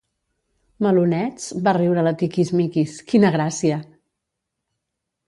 Melonets? —va riure la Tiquismiquis— Quina gràcia!